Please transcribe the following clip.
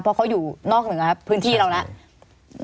เพราะเขาอยู่นอกเหนือพื้นที่เราแล้ว